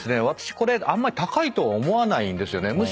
私これあんまり高いとは思わないんですよね。